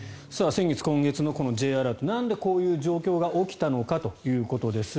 先月、今月のＪアラートなんで、こういう状況が起きたのかということです。